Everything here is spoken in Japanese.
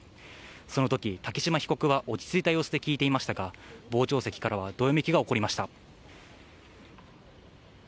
そのとき、竹島被告は落ち着いた様子で聞いていましたが、傍聴席からはどよめきが起こりました。